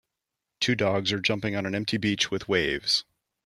Two dogs are jumping on an empty beach with waves.